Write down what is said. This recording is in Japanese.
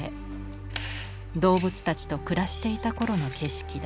動物たちと暮らしていた頃の景色だ。